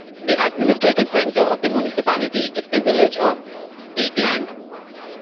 The administrative centre of the municipality is the village of Vigeland.